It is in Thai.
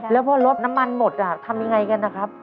แล้วพอรถน้ำมันหมดทำยังไงกันนะครับ